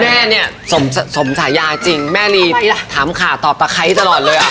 แม่เนี้ยสมสายาจริงแม่ด้วยล่ะถามขาตอบแต่ไทยตลอดเลยอ่ะ